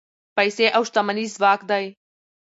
پیسې او شتمني ځواک دی.